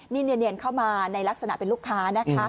นี่เนียนเข้ามาในลักษณะเป็นลูกค้านะคะ